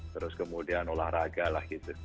terus kemudian olahraga lah gitu